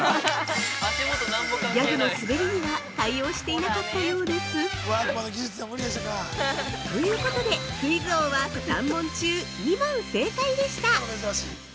◆ギャグのスベリには対応していなかったようですということでクイズ王は３問中２問正解でした。